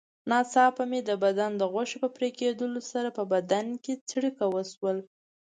ناڅاپه مې د بدن د غوښې په پرېکېدلو سره په بدن کې څړیکه وشول.